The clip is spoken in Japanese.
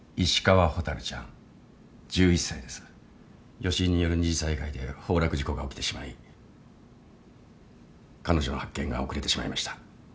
余震による二次災害で崩落事故が起きてしまい彼女の発見が遅れてしまいました。